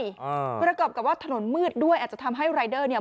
อ่าประกอบกับว่าถนนมืดด้วยอาจจะทำให้รายเดอร์เนี่ย